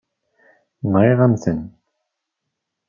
Nɣiɣ-am-ten.